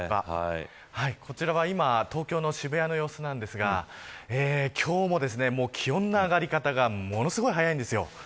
こちらは今東京の渋谷の様子ですが今日も気温の上がり方がものすごい早いんですよ。